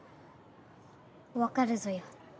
わかるぞよ。